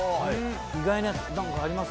意外なやつ何かあります？